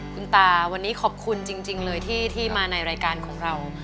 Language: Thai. คุณตาวันนี้ขอบคุณจริงเลยที่มาในรายการของเรา